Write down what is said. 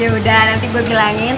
yaudah nanti gue bilangin